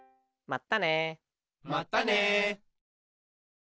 まったね。